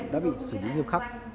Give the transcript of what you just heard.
đã bị xử lý nghiêm khắc